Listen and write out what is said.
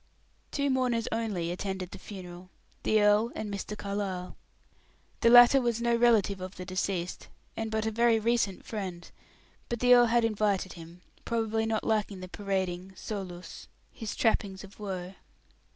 Two mourners only attended the funeral the earl and Mr. Carlyle. The latter was no relative of the deceased, and but a very recent friend; but the earl had invited him, probably not liking the parading, solus, his trappings of woe.